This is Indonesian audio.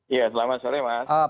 iya selamat sore mas